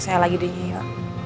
saya lagi di nio